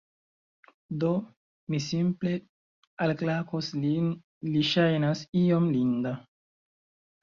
Do, mi simple alklakos lin li ŝajnas iom linda